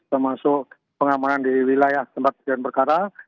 termasuk pengamanan di wilayah tempat berjalan berkara